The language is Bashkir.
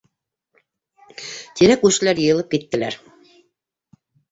Тирә-күршеләр йыйылып киттеләр.